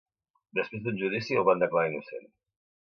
Després d'un judici, el van declarar innocent.